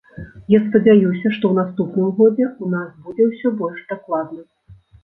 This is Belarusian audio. Я спадзяюся, што ў наступным годзе ў нас будзе ўсё больш дакладна.